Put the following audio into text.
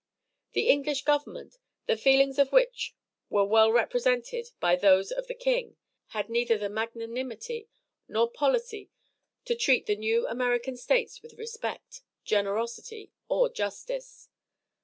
The English government, the feelings of which were well represented by those of the king, had neither the magnanimity nor policy to treat the new American States with respect, generosity, or justice.